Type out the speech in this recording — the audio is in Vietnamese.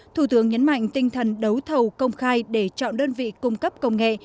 thủ tướng nhấn mạnh tinh thần đấu thầu công khai để chọn đơn vị cung cấp công nghệ